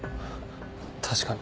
確かに。